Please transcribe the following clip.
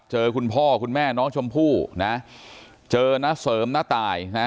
คุณพ่อคุณแม่น้องชมพู่นะเจอน้าเสริมน้าตายนะ